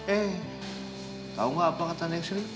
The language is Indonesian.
eh tahu nggak apa kata neng sri